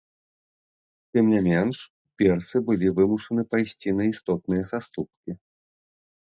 Тым не менш, персы былі вымушаны пайсці на істотныя саступкі.